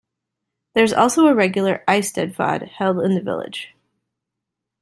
There is also a regular Eisteddfod held in the village.